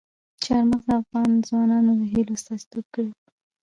چار مغز د افغان ځوانانو د هیلو استازیتوب کوي.